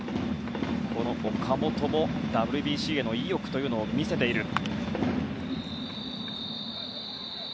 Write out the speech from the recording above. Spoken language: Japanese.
この岡本もＷＢＣへの意欲を見せています。